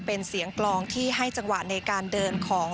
เป็นเสียงกลองที่ให้จังหวะในการเดินของ